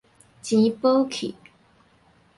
錢薄去